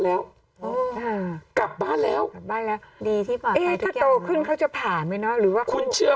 แล้วกลับบ้านแล้วต่อขึ้นเขาจะผ่านไหมนะหรือว่าคุณเชื่อ